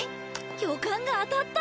予感が当たった！